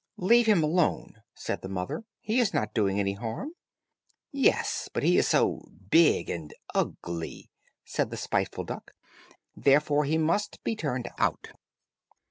"Let him alone," said the mother; "he is not doing any harm." "Yes, but he is so big and ugly," said the spiteful duck "and therefore he must be turned out."